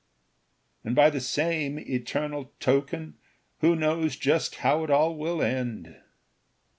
And by the same eternal token, Who knows just how it will all end?